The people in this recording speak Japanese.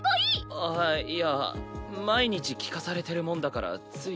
ああいや毎日聞かされてるもんだからつい。